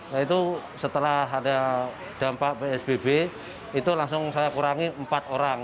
nah itu setelah ada dampak psbb itu langsung saya kurangi empat orang